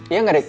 iya gak dik